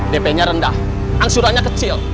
dp nya rendah angsurannya kecil